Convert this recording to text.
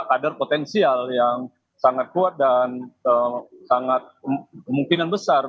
kader potensial yang sangat kuat dan sangat kemungkinan besar